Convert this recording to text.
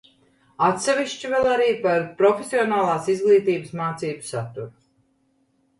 Atsevišķi vēl arī par profesionālās izglītības mācību saturu.